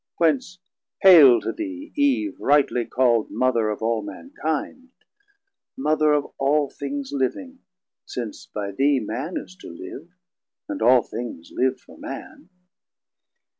Whence Haile to thee, Eve rightly call'd, Mother of all Mankind, Mother of all things living, since by thee 160 Man is to live, and all things live for Man.